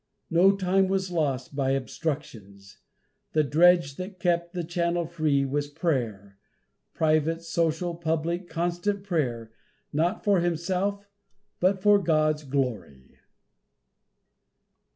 No time was lost by obstructions; the dredge that kept the channel free was prayer private, social, public, constant prayer, not for himself, but for God's glory.